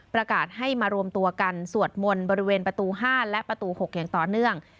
ประกาศให้มารวมตัวกันสวดมนต์บริเวณประตู๕และประตู๖อย่างต่อเนื่อง